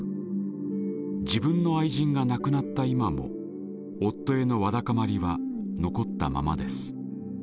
自分の愛人が亡くなった今も夫へのわだかまりは残ったままです。